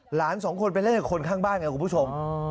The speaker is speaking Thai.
หลานสองคนไปเล่นกับคนข้างบ้านไงคุณผู้ชม